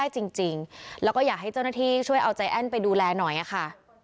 จริงแล้วก็อยากให้เจ้าหน้าที่ช่วยเอาใจแอ้นไปดูแลหน่อยค่ะ